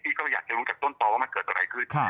ก็ไม่อยากจะรู้จากต้นต่อว่ามันเกิดอะไรขึ้น